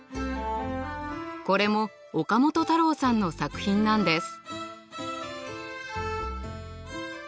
これも岡本太郎さんの作品なんです。